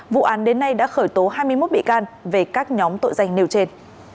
vụ án đến nay đã khởi tố hai mươi một bị can về các nhóm tội danh nêu trên